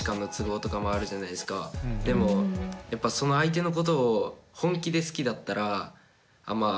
でもやっぱその相手のことを本気で好きだったらまあ